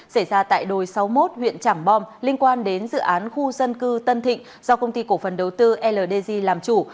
xảy ra tại đồi sáu mươi một huyện trảng bom liên quan đến dự án khu dân cư tân thịnh do công ty cổ phần đầu tư ldg làm chủ